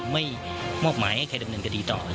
ไม่มอบหมายให้ใครดำเนินกดียังไงต่อ